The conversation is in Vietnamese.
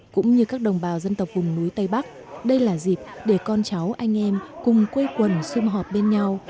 cũng như các đồng bào dân tộc vùng núi tây bắc đây là dịp để con cháu anh em cùng quê quần xung họp bên nhau